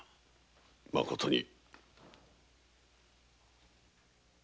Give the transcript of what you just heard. まことに。